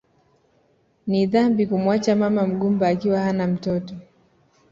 Ni dhambi kumuacha mama mgumba akiwa hana mtoto